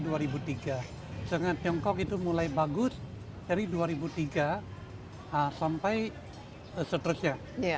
sehingga tiongkok itu mulai bagus dari dua ribu tiga sampai seterusnya